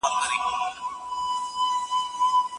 که نن لمر پر شنه اسمان وي راختلی